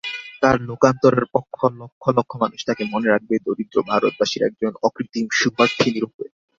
তাঁর লোকান্তরের পর লক্ষ লক্ষ মানুষ তাঁকে মনে রাখবে দরিদ্র ভারতবাসীর একজন অকৃত্রিম শুভার্থিনীরূপে।